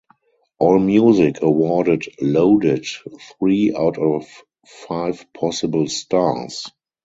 Allmusic awarded "Loaded" three out of five possible stars.